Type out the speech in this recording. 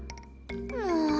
もう！